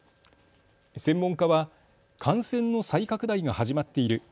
専門家は感染の再拡大が始まっている。